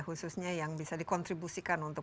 khususnya yang bisa dikontribusikan untuk